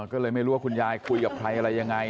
ก็เลยไม่รู้ว่าคุณยายคุยกับใครอะไรยังไง